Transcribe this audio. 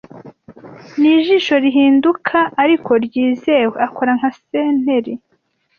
nijisho rihinduka ariko ryizewe akora nka senteri